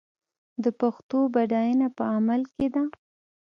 د پښتو بډاینه په عمل کې ده.